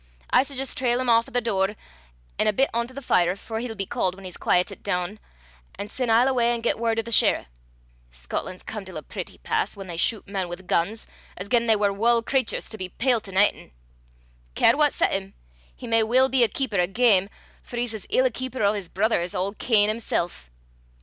I s' jist trail him aff o' the door, an' a bit on to the fire, for he'll be caul' whan he's quaitet doon, an' syne I'll awa an' get word o' the shirra'. Scotlan's come till a pretty pass, whan they shot men wi' guns, as gien they war wull craturs to be peelt an' aiten. Care what set him! He may weel be a keeper o' ghem, for he's as ill a keeper o' 's brither as auld Cain himsel'.